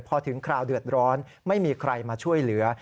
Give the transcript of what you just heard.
พอถึงคราวเดือดร้อนไม่มีใครมาช่วยเหลือ